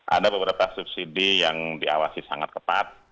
ada beberapa subsidi yang diawasi sangat ketat